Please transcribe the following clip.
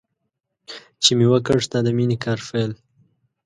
چې مې وکړ ستا د مینې کار پیل.